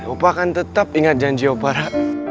opa kan tetap ingat janji opa ra